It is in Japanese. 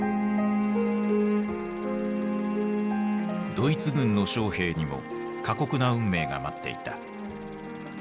ドイツ軍の将兵にも過酷な運命が待っていた。